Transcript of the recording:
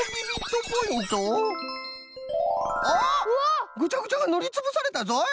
おっぐちゃぐちゃがぬりつぶされたぞい！